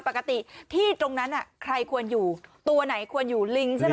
ปกติที่ตรงนั้นใครควรอยู่ตัวไหนควรอยู่ลิงใช่ไหม